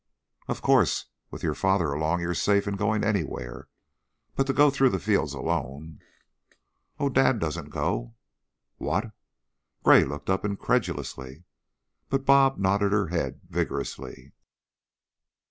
"Of course, with your father along you're safe in going anywhere, but to go through the fields alone " "Oh, dad doesn't go!" "What?" Gray looked up incredulously, but "Bob" nodded her head vigorously.